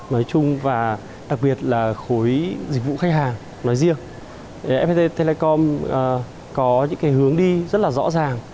nói chung và đặc biệt là khối dịch vụ khách hàng nói riêng fpt telecom có những hướng đi rất là rõ ràng